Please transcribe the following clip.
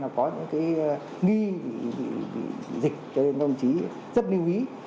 không có dấu hiệu hay có những nghi dịch cho nên công chí rất lưu ý